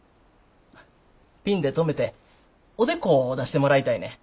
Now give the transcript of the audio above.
ピンで留めておでこを出してもらいたいねん。